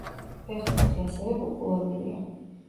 ფეხბურთი ასევე პოპულარულია.